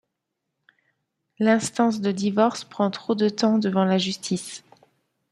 L'instance de divorce prend trop de temps devant la justice.